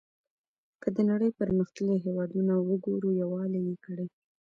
که د نړۍ پرمختللي هېوادونه وګورو یووالی یې کړی.